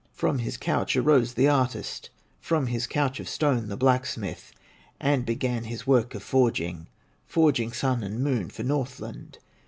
From his couch arose the artist, From his couch of stone, the blacksmith, And began his work of forging, Forging Sun and Moon for Northland.